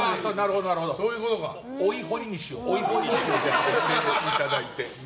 追いほりにしをしていただいて。